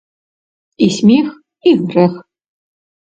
І смех і грэх.